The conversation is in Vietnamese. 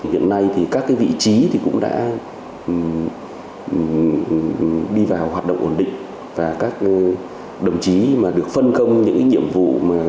hiện nay các vị trí cũng đã đi vào hoạt động ổn định và các đồng chí được phân công những nhiệm vụ